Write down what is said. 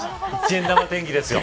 １円玉天気ですよ。